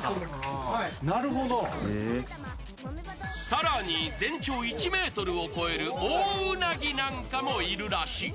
更に、全長１ｍを超えるオオウナギなんかもいるらしい。